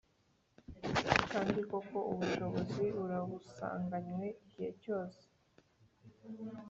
Kandi koko, ubushobozi urabusanganywe igihe cyose.